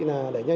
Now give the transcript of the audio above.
là đẩy nhanh